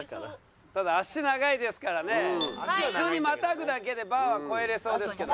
ただ脚長いですからね普通にまたぐだけでバーは越えられそうですけど。